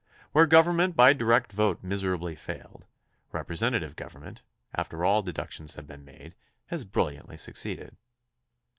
Where government by direct vote miserably failed, representative gov ernment, after all deductions have been made, has brilliantly succeeded.